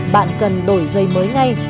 bạn cần đổi giày mới ngay